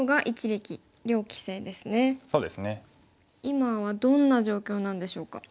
今はどんな状況なんでしょうか。